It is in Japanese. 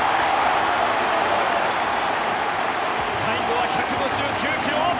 最後は１５９ｋｍ。